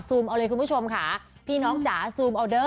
เอาเลยคุณผู้ชมค่ะพี่น้องจ๋าซูมเอาเด้อ